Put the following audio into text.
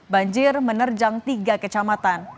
banjir menerjang tiga kecamatan